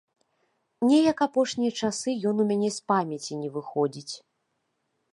Неяк апошнія часы ён у мяне з памяці не выходзіць.